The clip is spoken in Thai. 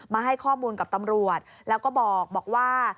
มาให้ข้อมูลกับตำรวจแล้วก็บอกว่า